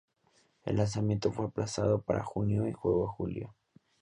El lanzamiento fue aplazado para junio y luego a julio.